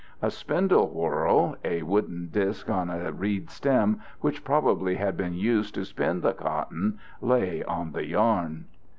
A spindle whorl—a wooden disc on a reed stem which probably had been used to spin the cotton—lay on the yarn.